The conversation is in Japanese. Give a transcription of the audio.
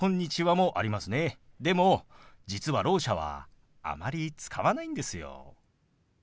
でも実はろう者はあまり使わないんですよ。